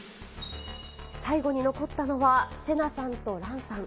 最後に残ったのはセナさんとランさん。